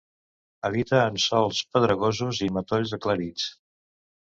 Habita en sòls pedregosos i matolls aclarits.